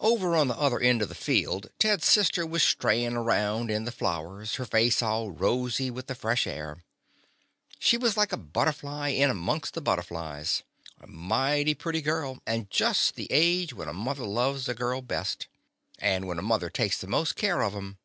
Over on the other end of the field Ted's sister was strayin' around in the flowers, her face all rosy with the fresh air. She was like a butterfly in amongst the butterflies, a mighty pretty girl, and just the age when a mother loves a girl best and when a The Confessions of a Daddy mother takes the most care of 'em.